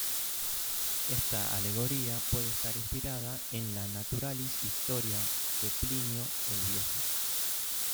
Esta alegoría puede estar inspirada en la "Naturalis Historia" de Plinio el Viejo.